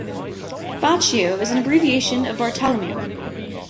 Baccio is an abbreviation of Bartolomeo.